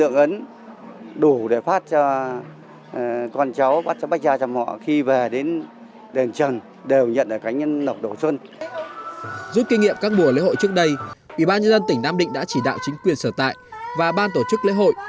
giúp kinh nghiệm các mùa lễ hội trước đây ủy ban nhân dân tỉnh nam định đã chỉ đạo chính quyền sở tại và ban tổ chức lễ hội